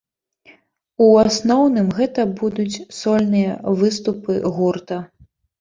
У асноўным гэта будуць сольныя выступы гурта.